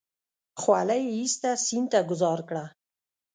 خولۍ يې ايسته سيند ته گوزار کړه.